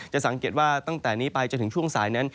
สังเกตว่าตั้งแต่นี้ไปจนถึงช่วงสายนั้น